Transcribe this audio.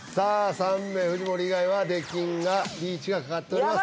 ３名藤森以外は出禁がリーチがかかっております